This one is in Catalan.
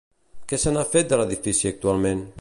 Què se n'ha fet de l'edifici actualment?